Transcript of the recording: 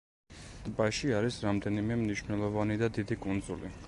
ტბაში არის რამდენიმე მნიშვნელოვანი და დიდი კუნძული.